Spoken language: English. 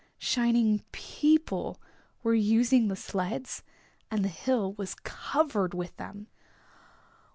Shining people were using the sleds and the hill was covered with them.